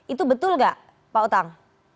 itu betul nggak pak utang